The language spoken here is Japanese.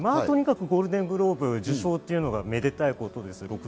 とにかくゴールデングローブ受賞というのは、めでたいことです。